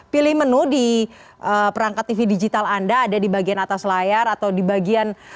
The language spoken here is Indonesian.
pilih menu di perangkat tv digital anda ada di bagian atas layar atau di bagian